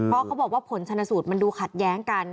เพราะเขาบอกว่าผลชนสูตรมันดูขัดแย้งกัน